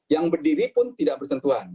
yang berdiri pun tidak bersentuhan